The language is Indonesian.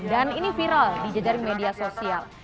dan ini viral di jajari media sosial